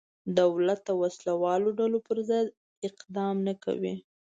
دولت د وسله والو ډلو پرضد اقدام نه کوي.